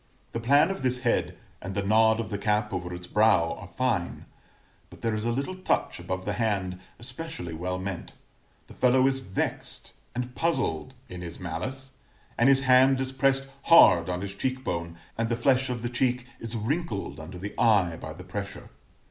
The plan of this head, and the nod of the cap over its brow, are fine; but there is a little touch above the hand especially well meant: the fellow is vexed and puzzled in his malice; and his hand is pressed hard on his cheek bone, and the flesh of the cheek is wrinkled under the eye by the pressure.